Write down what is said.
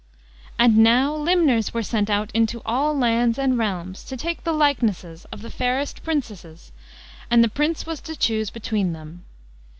And now limners were sent out into all lands and realms to take the likenesses of the fairest Princesses, and the Prince was to chose between them.